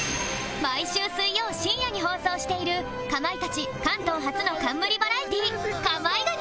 毎週水曜深夜に放送しているかまいたち関東初の冠バラエティー『かまいガチ』